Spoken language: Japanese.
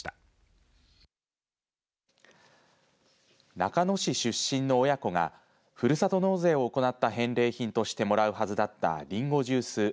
中野市出身の親子がふるさと納税を行った返礼品としてもらうはずだったりんごジュース